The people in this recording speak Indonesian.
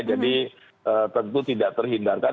jadi tentu tidak terhindarkan